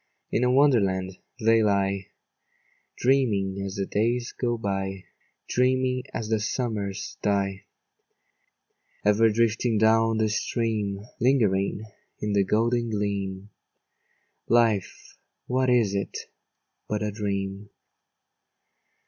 In a Wonderland they lie, Dreaming as the days go by, Dreaming as the summers die: Ever drifting down the streamâ Lingering in the golden gleamâ Life, what is it but a dream?